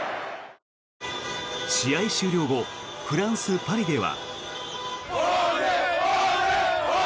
試合終了後フランス・パリでは。